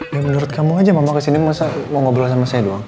ya menurut kamu aja mama kesini mau ngobrol sama saya doang